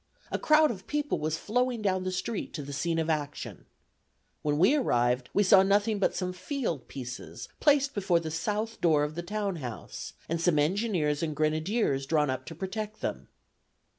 A crowd of people was flowing down the street to the scene of action. When we arrived, we saw nothing but some field pieces placed before the south door of the town house, and some engineers and grenadiers drawn up to protect them.